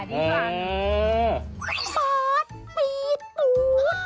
บาทปีตุ๊ด